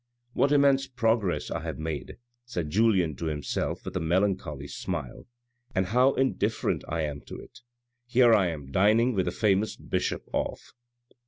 " What immense progress I have made," said Julien to himself with a melancholy smile, " and how indifferent I am to it. Here I am dining with the famous bishop of ."